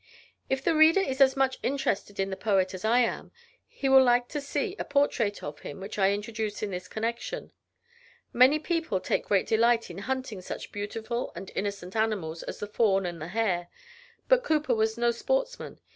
If the reader is as much interested in the poet as I am, he will like to see a portrait of him, which I introduce in this connection. Many people take great delight in hunting such beautiful and innocent animals as the fawn and the hare. But Cowper was no sportsman.